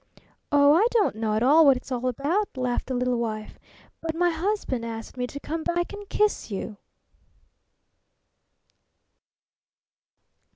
"Oh, I don't know at all what it's all about," laughed the little wife, "but my husband asked me to come back and kiss you!"